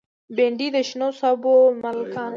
بېنډۍ د شنو سابو ملکانه ده